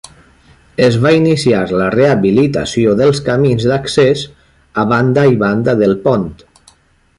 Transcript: Es va iniciar la rehabilitació dels camins d'accés a banda i banda del pont.